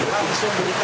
langsung jadi tenda